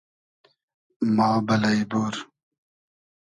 ما بئلݷ بور